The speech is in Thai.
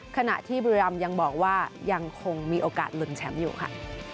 ขณะที่บุรีรำยังบอกว่ายังคงมีโอกาสลุ้นแชมป์อยู่ค่ะ